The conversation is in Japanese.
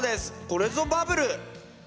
これぞバブル。